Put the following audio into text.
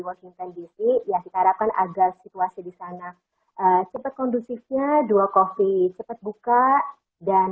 washington dc ya kita harapkan agar situasi di sana cepat kondusifnya dua coffee cepat buka dan